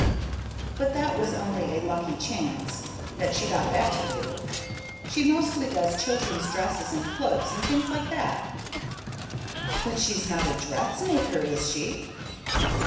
"But that was only a lucky chance ... that she got that to do. She mostly does children's dresses and cloaks and things like that." "But she's not a dressmaker, is she?"